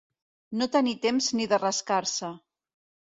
No tenir temps ni de rascar-se.